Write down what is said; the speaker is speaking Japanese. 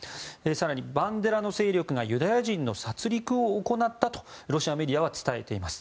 更にバンデラの勢力がユダヤ人の殺戮を行ったとロシアメディアは伝えています。